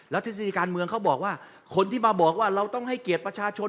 ทฤษฎีการเมืองเขาบอกว่าคนที่มาบอกว่าเราต้องให้เกียรติประชาชน